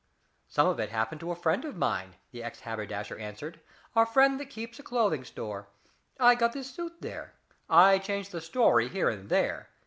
"Some of it happened to a friend of mine," the ex haberdasher answered, "a friend that keeps a clothing store. I got this suit there. I changed the story, here and there.